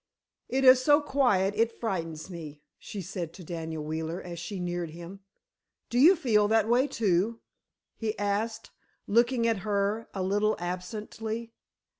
"It is so quiet it frightens me," she said to Daniel Wheeler, as she neared him. "Do you feel that way, too?" he asked, looking at her a little absently.